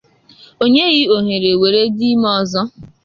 onyeghị ohere were dị ime ọzọ